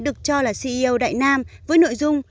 được cho là ceo đại nam với nội dung